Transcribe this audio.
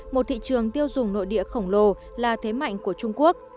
một thị trường tiêu dùng nội địa khổng lồ là thế mạnh của trung quốc